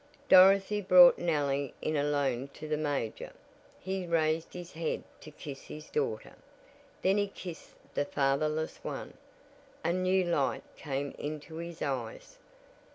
Dorothy brought Nellie in alone to the major, He raised his head to kiss his daughter, then he kissed the fatherless one a new light came into his eyes.